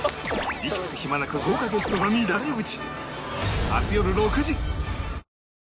息つく暇なく豪華ゲストが乱れ打ち